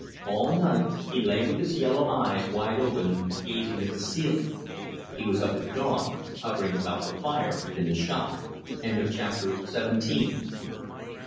All night he lay with his yellow eyes wide open, gazing at the ceiling. He was up at dawn, hovering about the fire in the shop. CHAPTER XVIII.